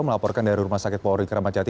melaporkan dari rumah sakit polri kramacati